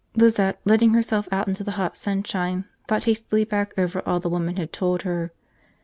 Lizette, letting herself out into the hot sunshine, thought hastily back over all the woman had told her.